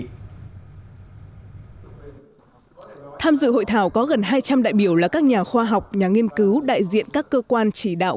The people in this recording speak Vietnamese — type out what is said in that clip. tham dự hội thảo có gần hai trăm linh đại biểu là các nhà khoa học nhà nghiên cứu đại diện các cơ quan chỉ đạo